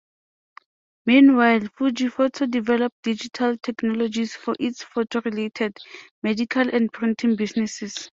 Meanwhile, Fuji Photo developed digital technologies for its photo-related, medical and printing businesses.